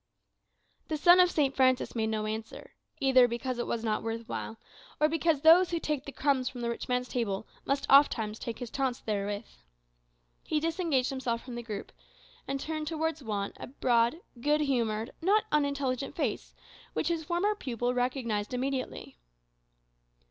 The son of St. Francis made no answer, either because it was not worth while, or because those who take the crumbs from the rich man's table must ofttimes take his taunts therewith. He disengaged himself from the group, and turned towards Juan a broad, good humoured, not unintelligent face, which his former pupil recognized immediately.